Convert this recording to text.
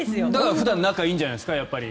普段仲がいいんじゃないですか？